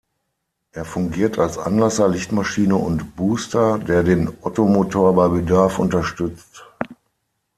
Er fungiert als Anlasser, Lichtmaschine und „Booster“, der den Ottomotor bei Bedarf unterstützt.